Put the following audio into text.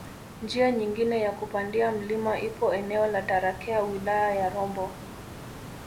Njia nyingine ya kupandia mlima ipo eneo la Tarakea wilaya ya Rombo